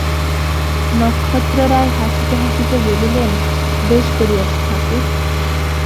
নক্ষত্ররায় হাসিতে হাসিতে বলিলেন, বেশ করিয়াছ ঠাকুর!